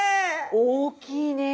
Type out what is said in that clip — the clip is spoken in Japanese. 大きいねえ。